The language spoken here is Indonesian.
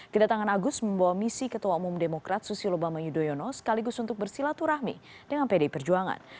kedatangan agus membawa misi ketua umum demokrat susilo bama yudhoyono sekaligus untuk bersilaturahmi dengan pdi perjuangan